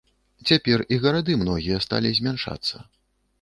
Цяпер і гарады многія сталі змяншацца.